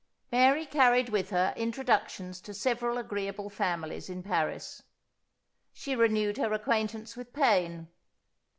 Mary carried with her introductions to several agreeable families in Paris. She renewed her acquaintance with Paine.